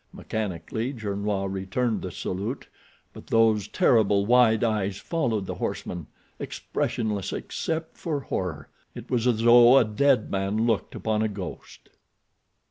Mechanically Gernois returned the salute, but those terrible, wide eyes followed the horseman, expressionless except for horror. It was as though a dead man looked upon a ghost.